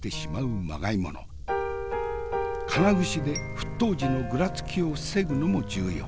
金串で沸騰時のぐらつきを防ぐのも重要。